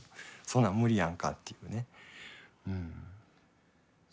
そんなん無理やんかっていうね。